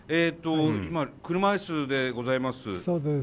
今車椅子でございます。